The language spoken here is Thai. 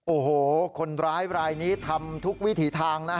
โอ้โหคนร้ายรายนี้ทำทุกวิถีทางนะ